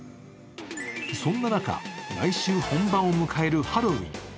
そんな中、来週本番を迎えるハロウィーン。